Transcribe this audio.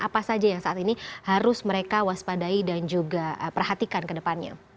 apa saja yang saat ini harus mereka waspadai dan juga perhatikan ke depannya